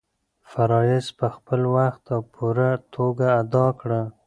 فرایض په خپل وخت او پوره توګه ادا کړه.